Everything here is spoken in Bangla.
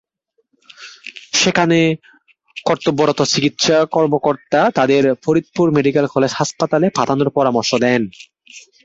সেখানে কর্তব্যরত চিকিৎসা কর্মকর্তা তাঁদের ফরিদপুর মেডিকেল কলেজ হাসপাতালে পাঠানোর পরামর্শ দেন।